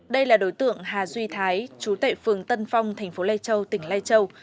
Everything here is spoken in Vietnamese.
đây là đối tượng hà duy thái chú tại phường tân phong thành phố lai châu tỉnh lai châu